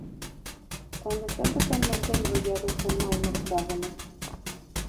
Cuando está totalmente enrollado forma un octágono.